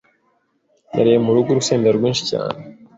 Nariye murugo urusenda rwinshi cyane ....